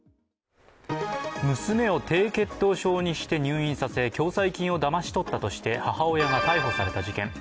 娘を低血糖症にして入院させ共済金をだまし取ったとして母親が逮捕された事件。